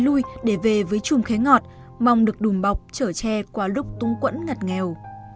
lui để về với chùm khé ngọt mong được đùm bọc chở tre qua lúc túng quẫn ngặt nghèo